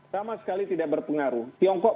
sama sekali tidak berpengaruh tiongkok